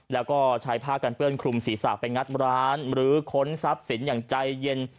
แล้วก็ใช้ผ้ากันเปื้อนคลุมศีรษะไปงัดร้านหรือค้นทรัพย์สินอย่างใจเย็น